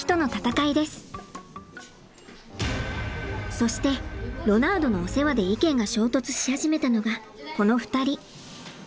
そしてロナウドのお世話で意見が衝突し始めたのがこの２人。